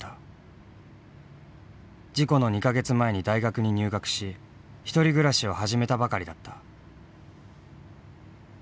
事故の２か月前に大学に入学し１人暮らしを始めたばかりだった。